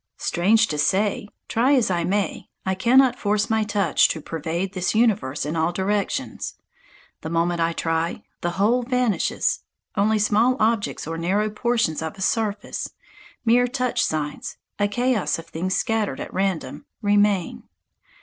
Strange to say, try as I may, I cannot force my touch to pervade this universe in all directions. The moment I try, the whole vanishes; only small objects or narrow portions of a surface, mere touch signs, a chaos of things scattered at random, remain.